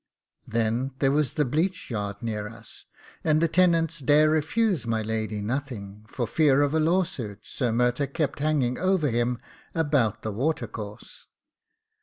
Then there was a bleach yard near us, and the tenant dare refuse my lady nothing, for fear of a lawsuit Sir Murtagh kept hanging over him about the watercourse.